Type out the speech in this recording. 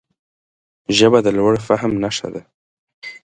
ژبه د لوړ فهم نښه ده